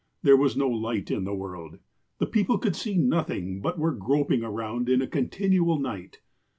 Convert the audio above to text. There was no light in the world. The people could see nothing, but were grop ing around in a continual night.